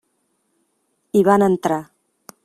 Hi van entrar.